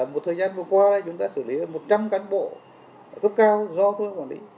một thời gian vừa qua chúng ta xử lý một trăm linh cán bộ tốt cao do tôi quản lý